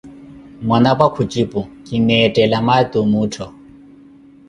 Mwanapwa kujipu: Kineethela maati omuttho.